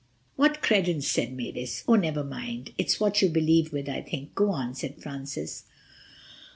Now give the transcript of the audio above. '" ("What's credence?" said Mavis. "Oh, never mind. It's what you believe with, I think. Go on," said Francis.)